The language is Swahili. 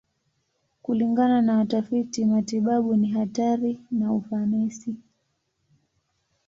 Kulingana na watafiti matibabu, ni hatari na ufanisi.